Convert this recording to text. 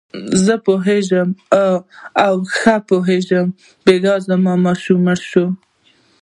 زه پوهېږم او ښه پوهېږم، بېګا زما ماشوم مړ شو.